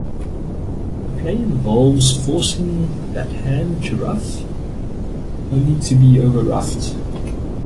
The play involves forcing that hand to ruff, only to be overruffed.